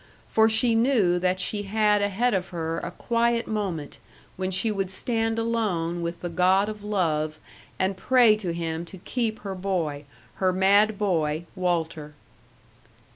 For she knew that she had ahead of her a quiet moment when she would stand alone with the god of love and pray to him to keep her boy, her mad boy, Walter.